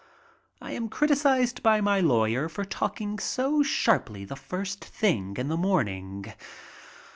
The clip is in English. I am criticized by my lawyer for talking so sharply the first thing in the morning.